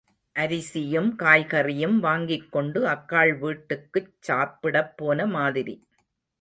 அரிசியும் காய்கறியும் வாங்கிக் கொண்டு அக்காள் வீட்டுக்குச் சாப்பிடப் போன மாதிரி.